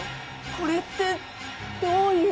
これってどういう。